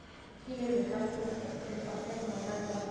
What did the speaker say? هیلۍ د خلکو د خوښې مرغه ده